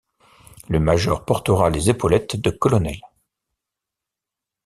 Le major portera les épaulettes de colonel.